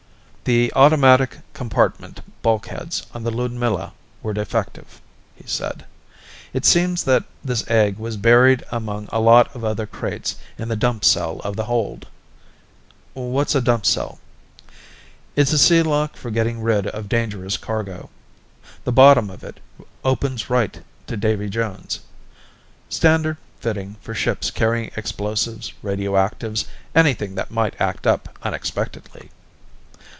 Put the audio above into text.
"The automatic compartment bulkheads on the Ludmilla were defective," he said. "It seems that this egg was buried among a lot of other crates in the dump cell of the hold " "What's a dump cell?" "It's a sea lock for getting rid of dangerous cargo. The bottom of it opens right to Davy Jones. Standard fitting for ships carrying explosives, radioactives, anything that might act up unexpectedly."